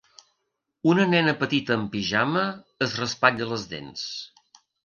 Una nena petita amb pijama es raspalla les dents.